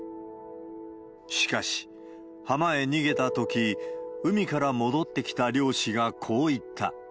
しかし、浜へ逃げたとき、海から戻ってきた漁師がこう言った。